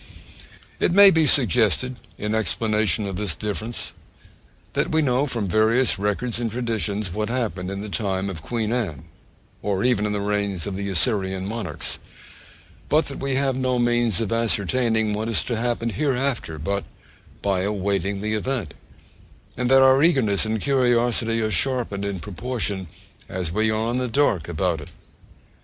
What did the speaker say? It may be suggested in explanation of this difference, that we know from various records and traditions what happened in the time of Queen Anne, or even in the reigns of the Assyrian monarchs, but that we have no means of ascertaining what is to happen hereafter but by awaiting the event, and that our eagerness and curiosity are sharpened in proportion as we are in the dark about it.